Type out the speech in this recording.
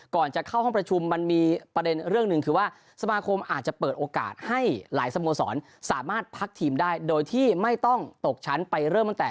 ก่อนจะเข้าห้องประชุมมันมีประเด็นเรื่องหนึ่งคือว่าสมาคมอาจจะเปิดโอกาสให้หลายสโมสรสามารถพักทีมได้โดยที่ไม่ต้องตกชั้นไปเริ่มตั้งแต่